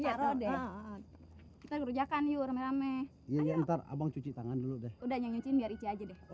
taruh deh kita kerjakan yurame iya ntar abang cuci tangan dulu deh udah nyanyiin biar aja deh